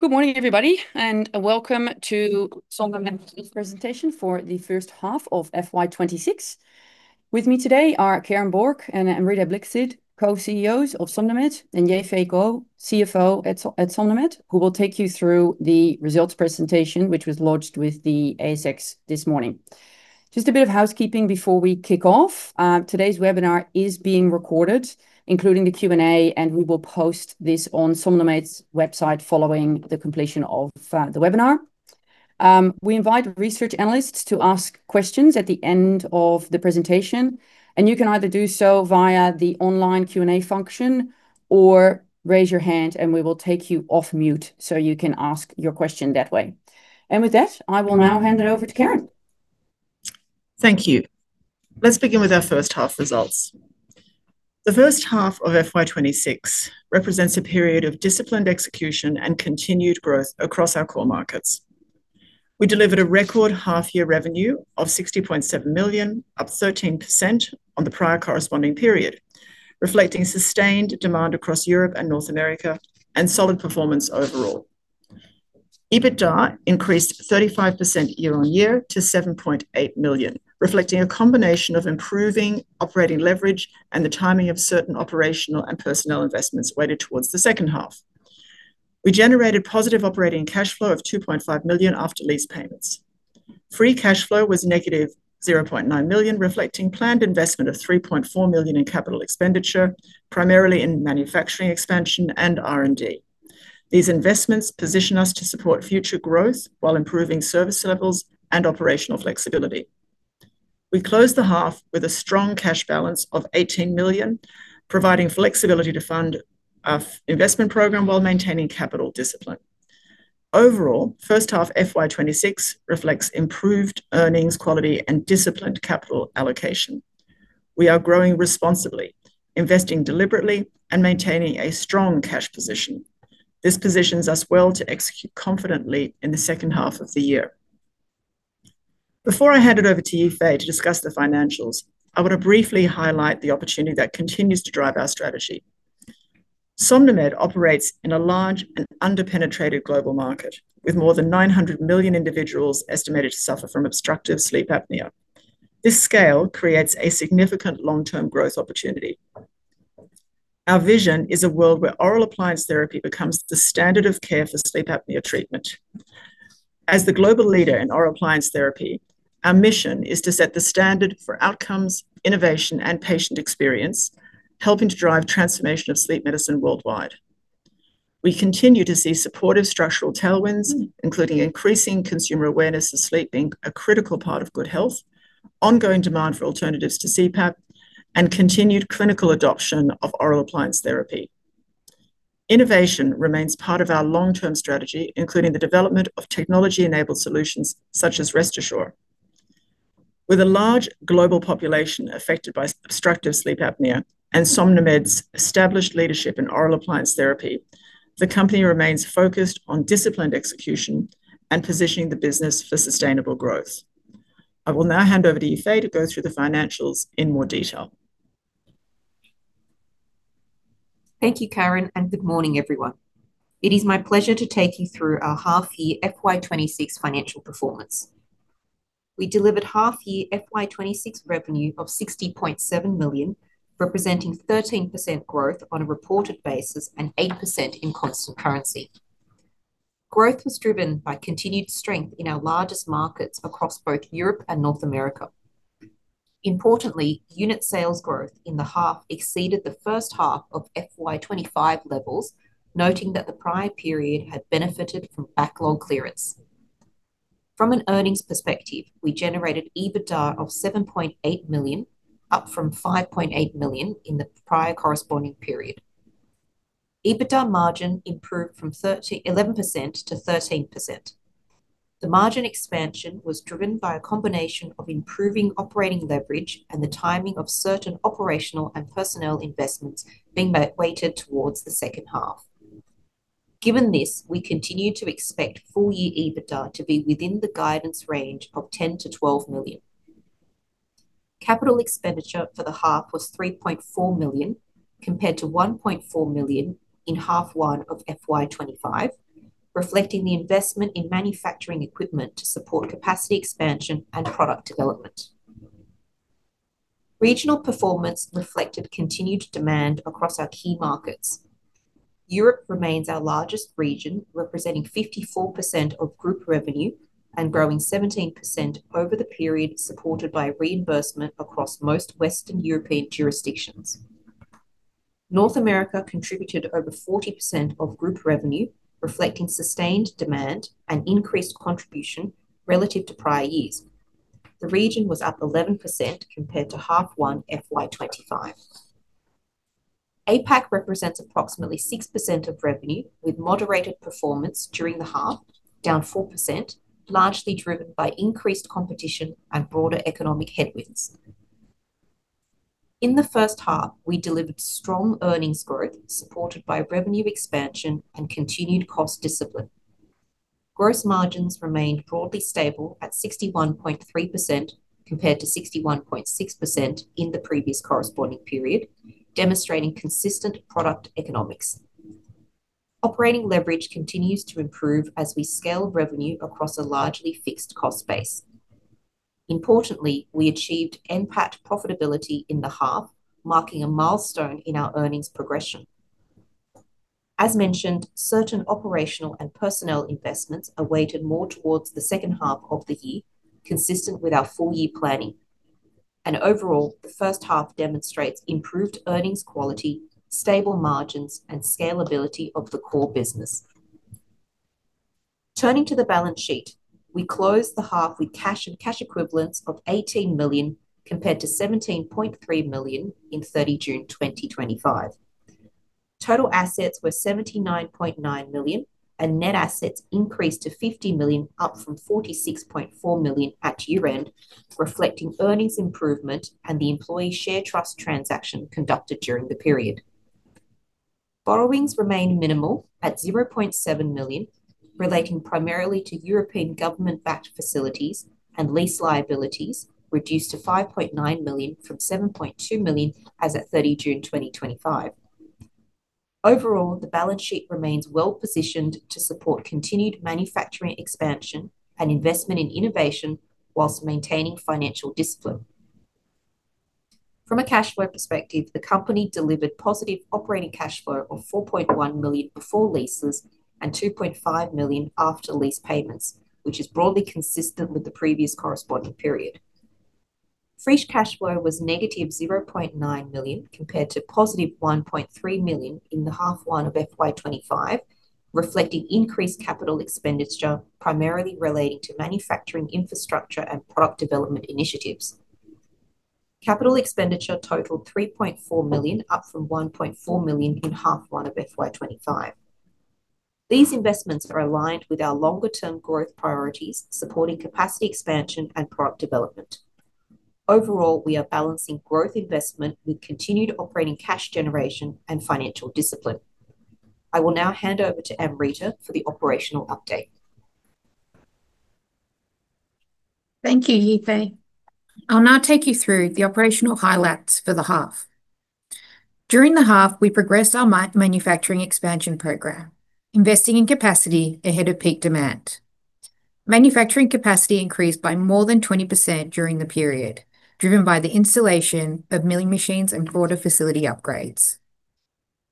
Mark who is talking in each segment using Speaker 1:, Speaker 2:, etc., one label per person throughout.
Speaker 1: Good morning, everybody, welcome to SomnoMed's presentation for the first half of FY 2026. With me today are Karen Borg and Amrita Blickstead, Co-CEOs of SomnoMed, and Yi-Fei Goh,, CFO at SomnoMed, who will take you through the results presentation, which was lodged with the ASX this morning. Just a bit of housekeeping before we kick off. Today's webinar is being recorded, including the Q&A, we will post this on SomnoMed's website following the completion of the webinar. We invite research analysts to ask questions at the end of the presentation, you can either do so via the online Q&A function or raise your hand we will take you off mute, you can ask your question that way. With that, I will now hand it over to Karen.
Speaker 2: Thank you. Let's begin with our first half results. The first half of FY 2026 represents a period of disciplined execution and continued growth across our core markets. We delivered a record half-year revenue of 60.7 million, up 13% on the prior corresponding period, reflecting sustained demand across Europe and North America and solid performance overall. EBITDA increased 35% year-on-year to 7.8 million, reflecting a combination of improving operating leverage and the timing of certain operational and personnel investments weighted towards the second half. We generated positive operating cash flow of 2.5 million after lease payments. Free cash flow was negative 0.9 million, reflecting planned investment of 3.4 million in capital expenditure, primarily in manufacturing expansion and R&D. These investments position us to support future growth while improving service levels and operational flexibility. We closed the half with a strong cash balance of 18 million, providing flexibility to fund our investment program while maintaining capital discipline. Overall, first half FY 2026 reflects improved earnings quality and disciplined capital allocation. We are growing responsibly, investing deliberately, and maintaining a strong cash position. This positions us well to execute confidently in the second half of the year. Before I hand it over to Yi-Fei to discuss the financials, I want to briefly highlight the opportunity that continues to drive our strategy. SomnoMed operates in a large and under-penetrated global market, with more than 900 million individuals estimated to suffer from obstructive sleep apnea. This scale creates a significant long-term growth opportunity. Our vision is a world where oral appliance therapy becomes the standard of care for sleep apnea treatment. As the global leader in oral appliance therapy, our mission is to set the standard for outcomes, innovation, and patient experience, helping to drive transformation of sleep medicine worldwide. We continue to see supportive structural tailwinds, including increasing consumer awareness of sleep being a critical part of good health, ongoing demand for alternatives to CPAP, and continued clinical adoption of oral appliance therapy. Innovation remains part of our long-term strategy, including the development of technology-enabled solutions such as RestAssure. With a large global population affected by obstructive sleep apnea and SomnoMed's established leadership in oral appliance therapy, the company remains focused on disciplined execution and positioning the business for sustainable growth. I will now hand over to Yi-Fei to go through the financials in more detail.
Speaker 3: Thank you, Karen, and good morning, everyone. It is my pleasure to take you through our half year FY 2026 financial performance. We delivered half year FY 2026 revenue of 60.7 million, representing 13% growth on a reported basis and 8% in constant currency. Growth was driven by continued strength in our largest markets across both Europe and North America. Importantly, unit sales growth in the half exceeded the first half of FY 2025 levels, noting that the prior period had benefited from backlog clearance. From an earnings perspective, we generated EBITDA of 7.8 million, up from 5.8 million in the prior corresponding period. EBITDA margin improved from 11% to 13%. The margin expansion was driven by a combination of improving operating leverage and the timing of certain operational and personnel investments being weighted towards the second half. Given this, we continue to expect full year EBITDA to be within the guidance range of 10 million-12 million. Capital expenditure for the half was 3.4 million compared to 1.4 million in half one of FY2025, reflecting the investment in manufacturing equipment to support capacity expansion and product development. Regional performance reflected continued demand across our key markets. Europe remains our largest region, representing 54% of group revenue and growing 17% over the period, supported by reimbursement across most Western European jurisdictions. North America contributed over 40% of group revenue, reflecting sustained demand and increased contribution relative to prior years. The region was up 11% compared to half one FY 2025. APAC represents approximately 6% of revenue, with moderated performance during the half, down 4%, largely driven by increased competition and broader economic headwinds. In the first half, we delivered strong earnings growth supported by revenue expansion and continued cost discipline. Gross margins remained broadly stable at 61.3%, compared to 61.6% in the previous corresponding period, demonstrating consistent product economics. Operating leverage continues to improve as we scale revenue across a largely fixed cost base. Importantly, we achieved NPAT profitability in the half, marking a milestone in our earnings progression. As mentioned, certain operational and personnel investments are weighted more towards the second half of the year, consistent with our full-year planning. Overall, the first half demonstrates improved earnings quality, stable margins, and scalability of the core business. Turning to the balance sheet, we closed the half with cash and cash equivalents of 18 million, compared to 17.3 million in 30th June 2025. Total assets were 79.9 million, and net assets increased to 50 million, up from 46.4 million at year-end, reflecting earnings improvement and the Employee Share Trust transaction conducted during the period. Borrowings remained minimal at 0.7 million, relating primarily to European government-backed facilities, and lease liabilities reduced to 5.9 million from 7.2 million as at 30th June 2025. Overall, the balance sheet remains well-positioned to support continued manufacturing expansion and investment in innovation whilst maintaining financial discipline. From a cash flow perspective, the company delivered positive operating cash flow of 4.1 million before leases and 2.5 million after lease payments, which is broadly consistent with the previous corresponding period. Fresh cash flow was negative 0.9 million, compared to positive 1.3 million in the half one of FY 2025, reflecting increased capital expenditure, primarily relating to manufacturing, infrastructure, and product development initiatives. Capital expenditure totaled 3.4 million, up from 1.4 million in half one of FY 2025. These investments are aligned with our longer-term growth priorities, supporting capacity expansion and product development. Overall, we are balancing growth investment with continued operating cash generation and financial discipline. I will now hand over to Amrita for the operational update.
Speaker 4: Thank you, Yi-Fei. I'll now take you through the operational highlights for the half. During the half, we progressed our manufacturing expansion program, investing in capacity ahead of peak demand. Manufacturing capacity increased by more than 20% during the period, driven by the installation of milling machines and broader facility upgrades.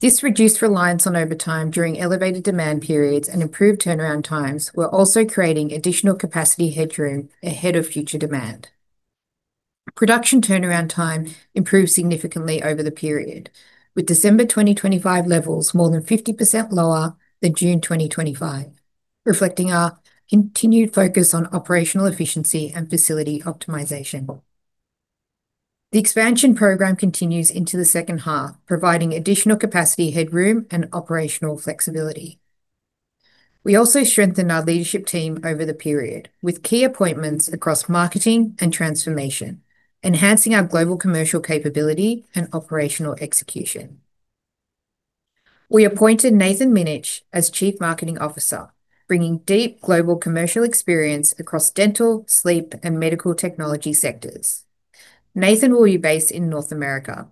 Speaker 4: This reduced reliance on overtime during elevated demand periods and improved turnaround times. We're also creating additional capacity headroom ahead of future demand. Production turnaround time improved significantly over the period, with December 2025 levels more than 50% lower than June 2025, reflecting our continued focus on operational efficiency and facility optimization. The expansion program continues into the second half, providing additional capacity headroom and operational flexibility. We also strengthened our leadership team over the period, with key appointments across marketing and transformation, enhancing our global commercial capability and operational execution. We appointed Nathan Minnich as Chief Marketing Officer, bringing deep global commercial experience across dental, sleep, and medical technology sectors. Nathan will be based in North America.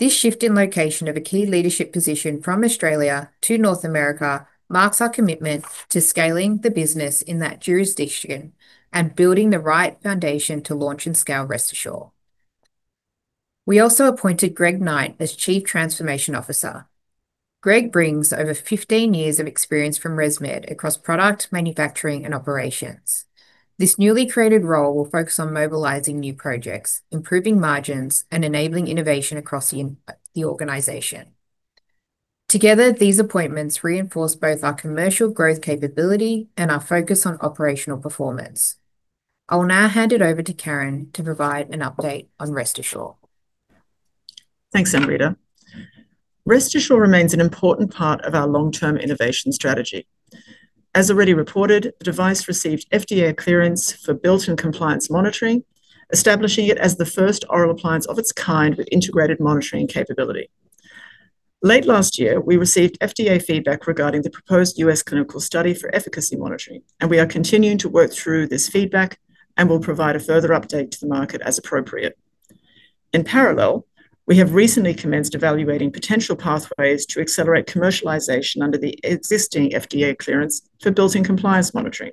Speaker 4: This shift in location of a key leadership position from Australia to North America marks our commitment to scaling the business in that jurisdiction and building the right foundation to launch and scale RestAssure. We also appointed Greg Knight as Chief Transformation Officer. Greg brings over 15 years of experience from ResMed across product, manufacturing, and operations. This newly created role will focus on mobilizing new projects, improving margins, and enabling innovation across the organization. Together, these appointments reinforce both our commercial growth capability and our focus on operational performance. I will now hand it over to Karen to provide an update on RestAssure.
Speaker 2: Thanks, Amrita. RestAssure remains an important part of our long-term innovation strategy. As already reported, the device received FDA clearance for built-in compliance monitoring, establishing it as the first oral appliance of its kind with integrated monitoring capability. Late last year, we received FDA feedback regarding the proposed U.S. clinical study for efficacy monitoring, we are continuing to work through this feedback and will provide a further update to the market as appropriate. In parallel, we have recently commenced evaluating potential pathways to accelerate commercialization under the existing FDA clearance for built-in compliance monitoring.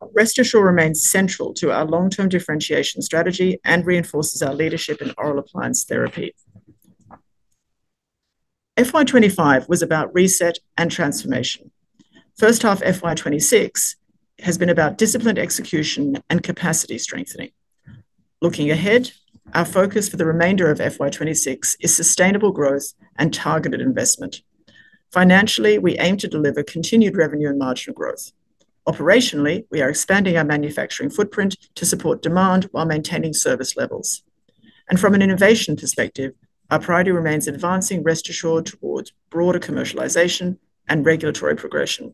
Speaker 2: RestAssure remains central to our long-term differentiation strategy and reinforces our leadership in oral appliance therapy. FY2 205 was about reset and transformation. First half, FY 2026 has been about disciplined execution and capacity strengthening. Looking ahead, our focus for the remainder of FY 2026 is sustainable growth and targeted investment. Financially, we aim to deliver continued revenue and marginal growth. Operationally, we are expanding our manufacturing footprint to support demand while maintaining service levels. From an innovation perspective, our priority remains advancing RestAssure towards broader commercialization and regulatory progression.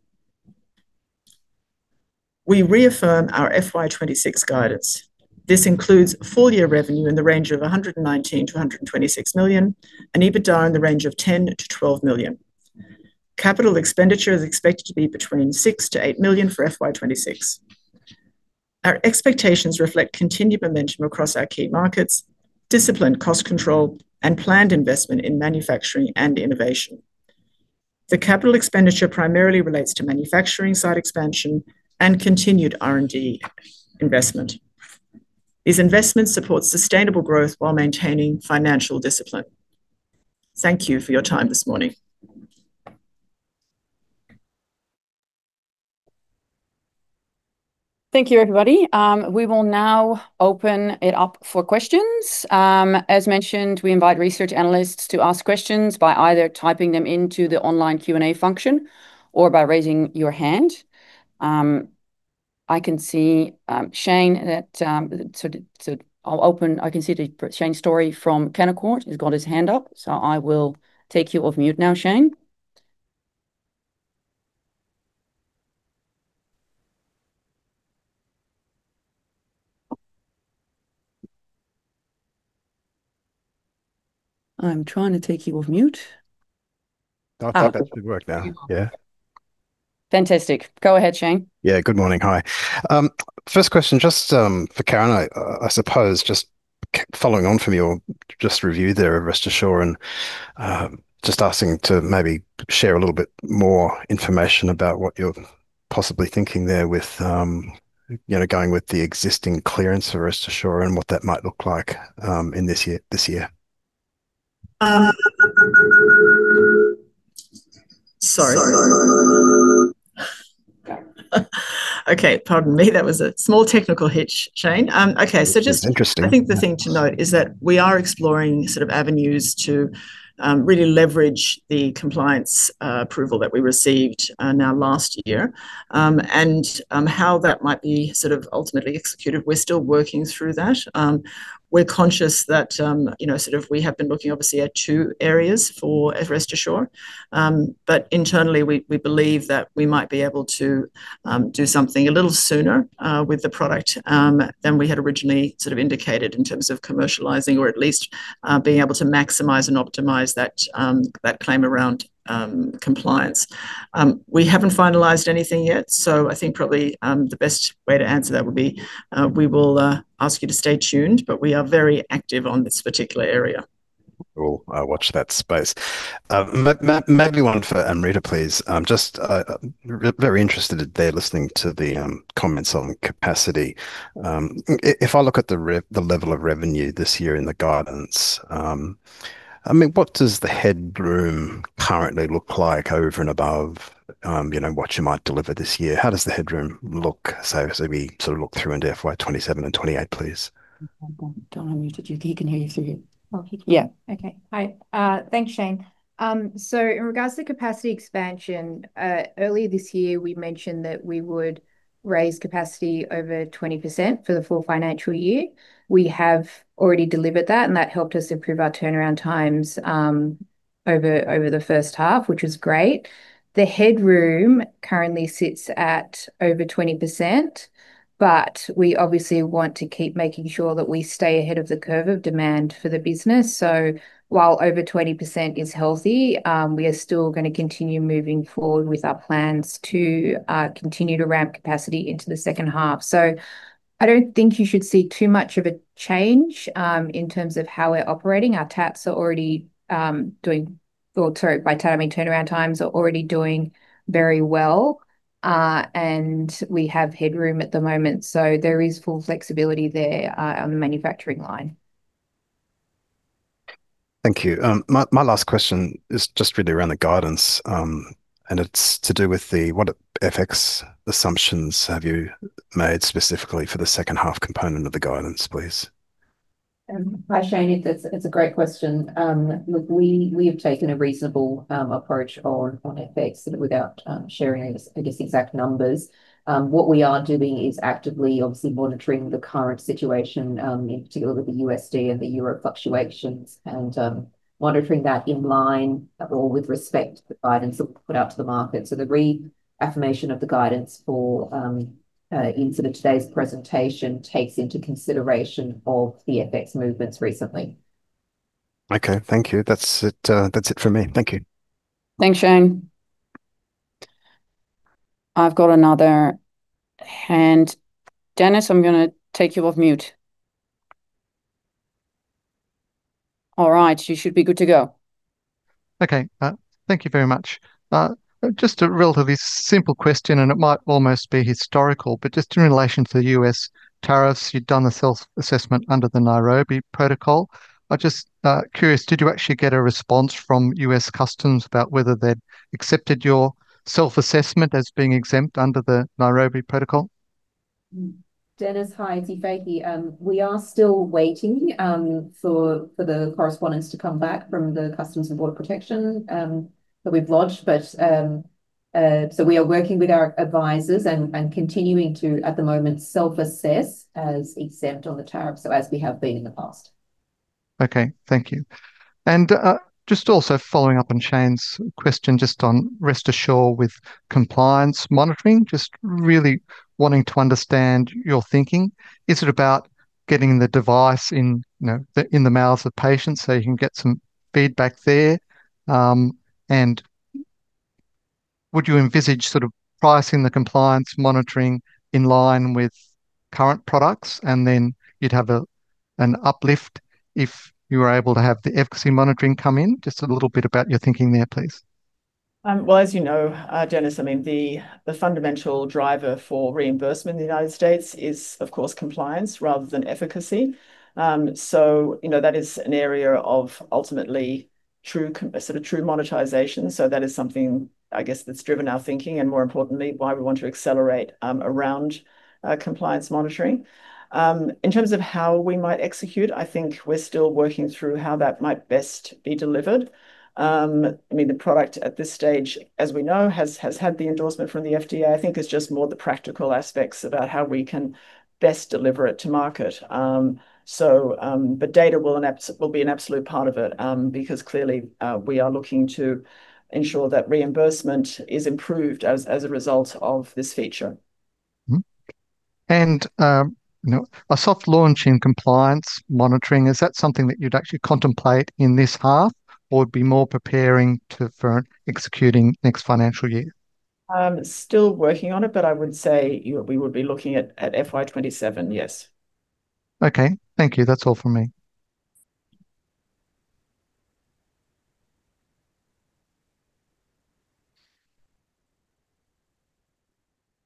Speaker 2: We reaffirm our FY 2026 guidance. This includes full year revenue in the range of 119 million-126 million, and EBITDA in the range of 10 million-12 million. Capital expenditure is expected to be between 6 million-8 million for FY 2026. Our expectations reflect continued momentum across our key markets, disciplined cost control, and planned investment in manufacturing and innovation. The capital expenditure primarily relates to manufacturing site expansion and continued R&D investment. These investments support sustainable growth while maintaining financial discipline. Thank you for your time this morning.
Speaker 1: Thank you, everybody. We will now open it up for questions. As mentioned, we invite research analysts to ask questions by either typing them into the online Q&A function or by raising your hand. I can see that Shane Storey from Canaccord has got his hand up, so I will take you off mute now, Shane. I'm trying to take you off mute.
Speaker 5: I think that should work now. Yeah.
Speaker 1: Fantastic. Go ahead, Shane.
Speaker 5: Yeah. Good morning. Hi. First question, just for Karen, I suppose just following on from your just review there of RestAssure and just asking to maybe share a little bit more information about what you're possibly thinking there with, you know, going with the existing clearance for RestAssure and what that might look like in this year.
Speaker 2: Sorry. Okay. Pardon me. That was a small technical hitch, Shane. Okay.
Speaker 5: It's interesting.
Speaker 2: I think the thing to note is that we are exploring sort of avenues to really leverage the compliance approval that we received now last year. How that might be sort of ultimately executed, we're still working through that. We're conscious that, you know, sort of we have been looking obviously at two areas for RestAssure. Internally we believe that we might be able to do something a little sooner with the product than we had originally sort of indicated in terms of commercializing or at least, being able to maximize and optimize that claim around compliance. We haven't finalized anything yet, so I think probably, the best way to answer that would be, we will ask you to stay tuned, but we are very active on this particular area.
Speaker 5: Cool. I'll watch that space. Maybe one for Amrita, please. I'm just very interested there listening to the comments on capacity. If I look at the level of revenue this year in the guidance, I mean, what does the headroom currently look like over and above, you know, what you might deliver this year? How does the headroom look so we sort of look through into FY 2027 and 2028, please?
Speaker 2: Don, unmute it. You, he can hear you through here.
Speaker 6: Oh, he can.
Speaker 2: Yeah.
Speaker 4: Okay. Hi. Thanks, Shane. In regards to capacity expansion, earlier this year we mentioned that we would raise capacity over 20% for the full financial year. We have already delivered that, and that helped us improve our turnaround times over the first half, which was great. The headroom currently sits at over 20%, but we obviously want to keep making sure that we stay ahead of the curve of demand for the business. While over 20% is healthy, we are still gonna continue moving forward with our plans to continue to ramp capacity into the second half. I don't think you should see too much of a change in terms of how we're operating. Our TATS are already, by that I mean turnaround times, doing very well. We have headroom at the moment, so there is full flexibility there on the manufacturing line.
Speaker 5: Thank you. My last question is just really around the guidance, and it's to do with the what FX assumptions have you made specifically for the second half component of the guidance, please?
Speaker 2: Hi, Shane. It's a great question. Look, we have taken a reasonable approach on FX without sharing I guess exact numbers. What we are doing is actively obviously monitoring the current situation, in particular with the USD and the Europe fluctuations and monitoring that in line or with respect to the guidance we've put out to the market. The reaffirmation of the guidance for in sort of today's presentation takes into consideration of the FX movements recently.
Speaker 5: Okay. Thank you. That's it, that's it from me. Thank you.
Speaker 1: Thanks, Shane. I've got another hand. Dennis, I'm gonna take you off mute. All right, you should be good to go.
Speaker 7: Okay. Thank you very much. Just a relatively simple question, and it might almost be historical, but just in relation to the U.S. tariffs, you'd done a self-assessment under the Nairobi Protocol. I'm just curious, did you actually get a response from U.S. Customs about whether they'd accepted your self-assessment as being exempt under the Nairobi Protocol?
Speaker 3: Dennis, hi. It's Yi-Fei. We are still waiting for the correspondence to come back from the Customs and Border Protection that we've lodged. We are working with our advisors and continuing to, at the moment, self-assess as exempt on the tariff, so as we have been in the past.
Speaker 7: Okay. Thank you. Just also following up on Shane's question just on RestAssure with compliance monitoring, just really wanting to understand your thinking. Is it about getting the device in, you know, in the mouths of patients so you can get some feedback there? Would you envisage sort of pricing the compliance monitoring in line with current products, and then you'd have a, an uplift if you were able to have the efficacy monitoring come in? Just a little bit about your thinking there, please.
Speaker 2: Well, as you know, Dennis, I mean, the fundamental driver for reimbursement in the United States is, of course, compliance rather than efficacy. You know, that is an area of ultimately true sort of true monetization. That is something I guess that's driven our thinking and, more importantly, why we want to accelerate around compliance monitoring. In terms of how we might execute, I think we're still working through how that might best be delivered. I mean, the product at this stage, as we know, has had the endorsement from the FDA. I think it's just more the practical aspects about how we can best deliver it to market. So, data will an ab... will be an absolute part of it. Clearly, we are looking to ensure that reimbursement is improved as a result of this feature.
Speaker 7: You know, a soft launch in compliance monitoring, is that something that you'd actually contemplate in this half or it would be more preparing for executing next financial year?
Speaker 2: I'm still working on it, but I would say we would be looking at FY 2027, yes.
Speaker 7: Okay. Thank you. That's all from me.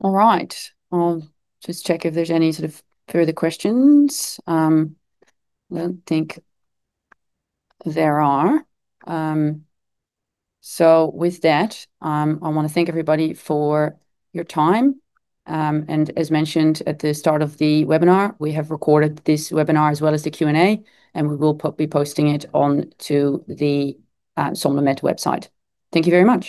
Speaker 1: All right. I'll just check if there's any sort of further questions. I don't think there are. With that, I wanna thank everybody for your time. As mentioned at the start of the webinar, we have recorded this webinar as well as the Q&A, and we will be posting it onto the SomnoMed website. Thank you very much